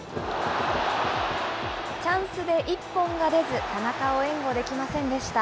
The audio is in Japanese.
チャンスで一本が出ず、田中を援護できませんでした。